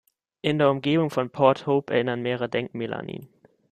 In der Umgebung von Port Hope erinnern mehrere Denkmäler an ihn.